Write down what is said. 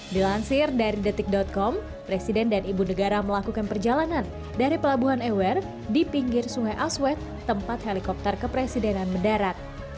dilansir dari detik com presiden dan ibu negara melakukan perjalanan dari pelabuhan ewer di pinggir sungai aswet tempat helikopter kepresidenan mendarat